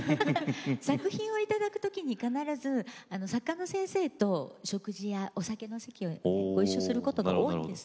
作品を頂く時に必ず作家の先生と食事やお酒の席をご一緒することが多いんですね。